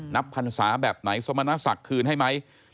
นับภัณฑ์ศาสตร์แบบไหนสมณศักดิ์คืนให้ไหม